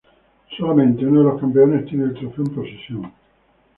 Solamente uno de los campeones tiene el trofeo en posesión.